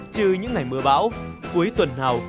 trừ những ngày mưa bão cuối tuần nào